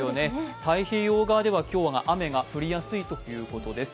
太平洋側では今日は雨が降りやすいということです。